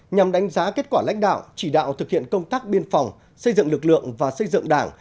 nhằm đánh giá kết quả lãnh đạo chỉ đạo thực hiện công tác biên phòng xây dựng lực lượng và xây dựng đảng